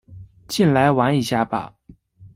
进来玩一下吧